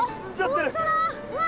うわ！